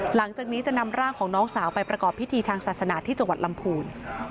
หลังจากนี้จะนำร่างของน้องสาวไปประกอบพิธีทางศาสนาที่จังหวัดลำพูน